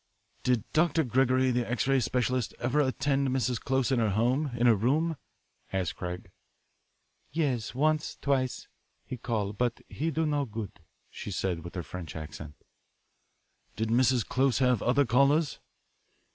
"Did Dr. Gregory, the X ray specialist, ever attend Mrs. Close at her home, in her room?" asked Craig. "Yes, once, twice, he call, but he do no good," she said with her French accent. "Did Mrs. Close have other callers?"